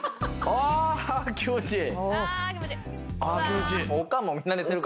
ああ気持ちいい。